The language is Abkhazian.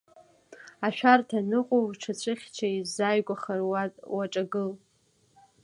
Ашәарҭа аныҟоу, уҽацәыхьча, иузааигәахар, уаҿагыл.